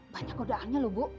banyak kodaannya loh bu